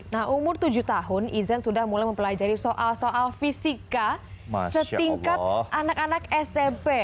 nah umur tujuh tahun izan sudah mulai mempelajari soal soal fisika setingkat anak anak smp